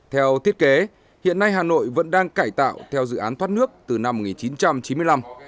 theo thiết kế hiện nay hà nội vẫn đang cải tạo theo dự án thoát nước từ năm một nghìn chín trăm chín mươi năm